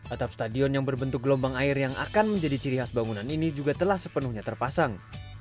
atap stadion yang berbentuk gelombang air yang akan menjadi ciri khas bangunan ini juga telah sepenuhnya terpasang